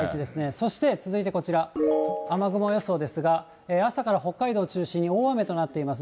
そして、続いてこちら、雨雲予想ですが、朝から北海道を中心に大雨となっています。